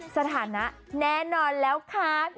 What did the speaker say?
สถานะแน่นอนแล้วค่ะ